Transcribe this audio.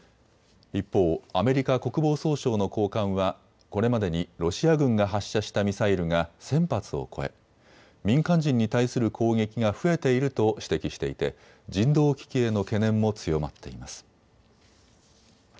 一方、アメリカ国防総省の高官はこれまでにロシア軍が発射したミサイルが１０００発を超え民間人に対する攻撃が増えていると指摘していて人道危機への懸念も強まっています。